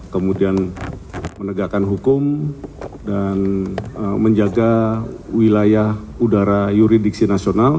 kemudian menegakkan hukum dan menjaga wilayah udara yuridiksi nasional